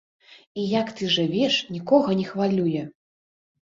І як ты жывеш, нікога не хвалюе!